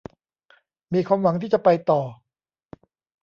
มีความหวังที่จะไปต่อ